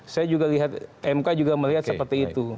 saya juga lihat mk juga melihat seperti itu